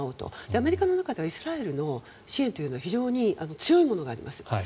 アメリカの中ではイスラエルへの支援というのは非常に強いものがあります。